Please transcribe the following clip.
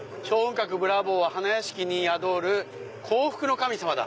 閣ブラ坊は花やしきに宿る幸福の神様」。